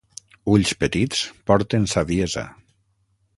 Ulls petits porten saviesa.